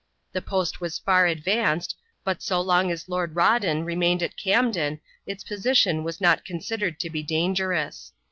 The post was far advanced, but so long as Lord Rawdon remained at Camden its position was not considered to be dangerous.